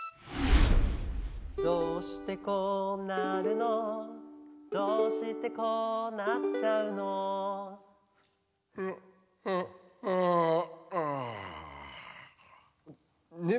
「どうしてこうなるのどうしてこうなっちゃうの」ね